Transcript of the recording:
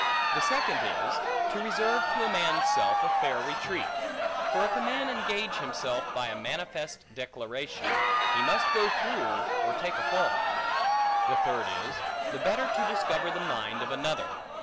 The second is, to reserve to a man's self a fair retreat. For if a man engage himself by a manifest declaration, he must go through or take a fall. The third is, the better to discover the mind of another.